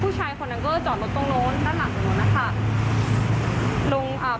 ผู้ชายคนนั้นก็จอดรถตรงโน้นด้านหลังตรงนู้นนะคะลงอ่า